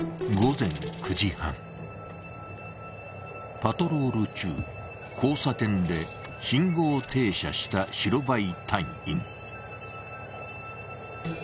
パトロール中交差点で信号停車した白バイ隊員。